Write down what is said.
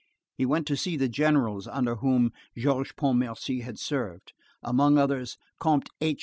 He went to see the generals under whom Georges Pontmercy had served, among others, Comte H.